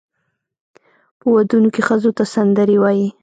په ودونو کې ښځو ته سندرې وایي.